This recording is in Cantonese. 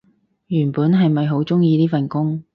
原本係咪好鍾意呢份工